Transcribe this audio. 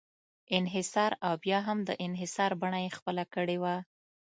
انحصار او بیا هم د انحصار بڼه یې خپله کړې وه.